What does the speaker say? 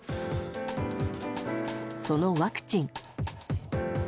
そのワクチン。